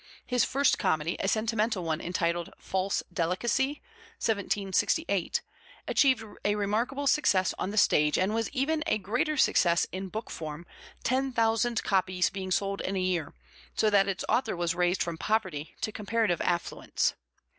His first comedy, a sentimental one entitled False Delicacy (1768), achieved a remarkable success on the stage and was even a greater success in book form, 10,000 copies being sold in a year, so that its author was raised from poverty to comparative affluence.